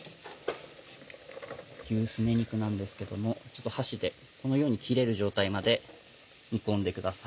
牛すね肉なんですけどもちょっと箸でこのように切れる状態まで煮込んでください。